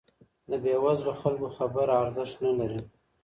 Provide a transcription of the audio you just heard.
د بې وزلو خلګو خبره ارزښت نه لري.